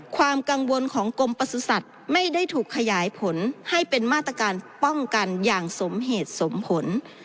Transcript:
ความกังวลของกรมประสุทธิ์ไม่ได้ถูกขยายผลให้เป็นมาตรการป้องกันอย่างสมเหตุสมผล